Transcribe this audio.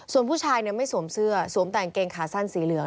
ส่วนผู้ชายไม่สวมเสื้อสวมแต่งเกงขาสั้นสีเหลือง